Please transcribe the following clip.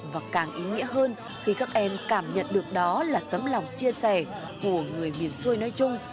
và càng ý nghĩa hơn khi các em cảm nhận được đó là tấm lòng chia sẻ của người miền xuôi nói chung